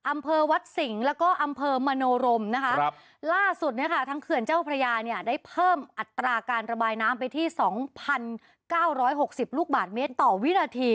อำเภอวัดสิงห์แล้วก็อำเภอมโนรมนะคะครับล่าสุดเนี่ยค่ะทั้งเขื่อนเจ้าพระยาเนี่ยได้เพิ่มอัตราการระบายน้ำไปที่สองพันเก้าร้อยหกสิบลูกบาทเมตรต่อวินาที